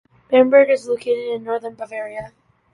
Bamberg is located in northern Bavaria.